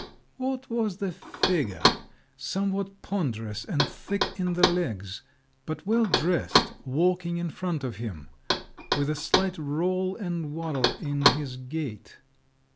What was the figure, somewhat ponderous and thick in the legs, but well dressed, walking in front of him, with a slight roll and waddle in his gait?